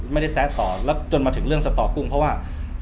ไม่ได้แซะต่อแล้วจนมาถึงเรื่องสตอกุ้งเพราะว่า